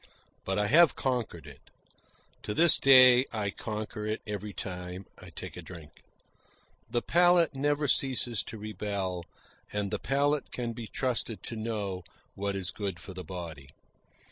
But I have conquered it. To this day I conquer it every time I take a drink. The palate never ceases to rebel, and the palate can be trusted to know what is good for the body.